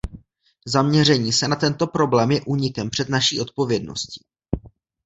Zaměření se na tento problém je únikem před naší odpovědností.